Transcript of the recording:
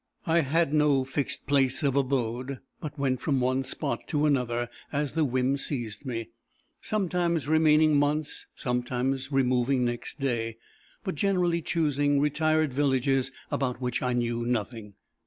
I had no fixed place of abode, but went from one spot to another, as the whim seized me sometimes remaining months, sometimes removing next day, but generally choosing retired villages about which I knew nothing.